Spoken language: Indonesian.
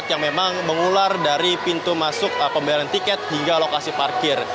yang memang mengular dari pintu masuk pembayaran tiket hingga lokasi parkir